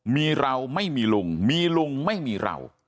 มีเราไม่มีลุงมีลุงไม่มีเรา